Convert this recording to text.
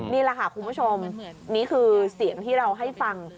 นี่แหละค่ะคุณผู้ชมนี่คือเสียงที่เราให้ฟัง